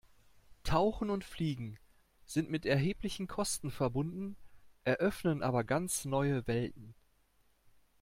Tauchen und Fliegen sind mit erheblichen Kosten verbunden, eröffnen aber ganz neue Welten.